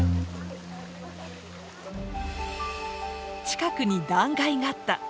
近くに断崖があった。